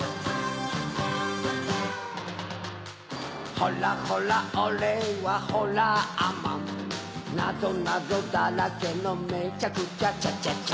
ほらほらおれはホラーマンなぞなぞだらけのメッチャクチャチャチャチャ